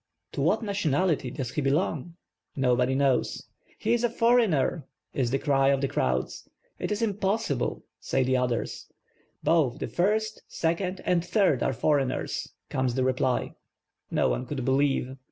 To what nationality does he belong? Nobody knows. "He is a for eigner," is the cry of the crowds. "It is impossible," say others. "Both the first, second, and third are foreigners," comes the reply. No one could believe.